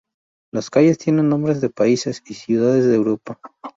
Las calles tienen nombres de países y ciudades de Europa.